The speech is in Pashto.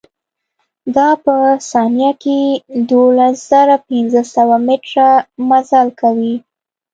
دا په ثانيه کښې دولز زره پنځه سوه مټره مزل کوي.